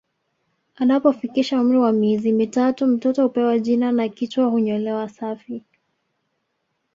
Anapofikisha umri wa miezi mitatu mtoto hupewa jina na kichwa hunyolewa safi